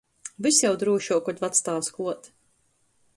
Vys jau drūšuok, kod vactāvs kluot.